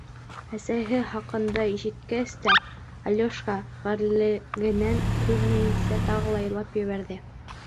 Әсәһе хаҡында ишеткәс тә, Алёшка ғәрлегенән түҙмәйенсә тағы ла илап ебәрҙе.